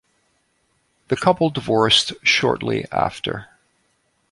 The couple divorced shortly after.